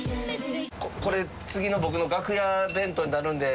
これ次の僕の楽屋弁当に頼んで。